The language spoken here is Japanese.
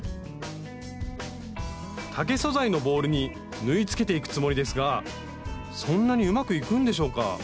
竹素材のボールに縫いつけていくつもりですがそんなにうまくいくんでしょうか？